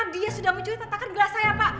dia sudah mencuri tatakan gelas saya pak